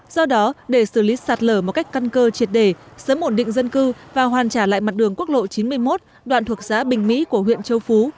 do đó để xử lý sạt lở một cách căn cơ triệt đề sớm ổn định dân cư và hoàn trả lại mặt đường quốc lộ chín mươi một đoạn thuộc xã bình mỹ của huyện châu phú